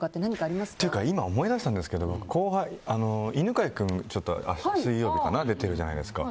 今、思い出したんですけど犬飼君、水曜日かな出ているじゃないですか。